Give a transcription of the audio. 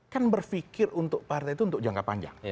kan berpikir untuk partai itu untuk jangka panjang